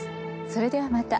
それではまた。